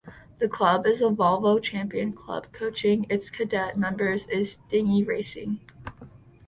The club is a 'Volvo Champion Club' coaching its 'Cadet' members in dinghy racing.